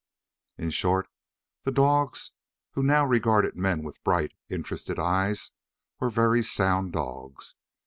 In short, the dogs who now regarded men with bright, interested eyes were very sound dogs.